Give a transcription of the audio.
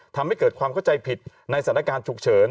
ทำให้เกิดความเข้าใจผิดในสถานการณ์ฉุกเฉิน